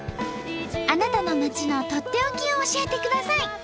あなたの町のとっておきを教えてください。